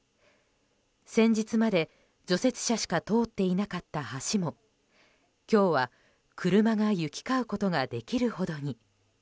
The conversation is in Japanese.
先日まで除雪車しか通っていなかった橋も今日は、車が行き交うこともできるほどに。